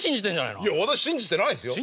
いや私信じてないですよ。